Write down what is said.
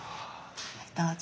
どうぞ。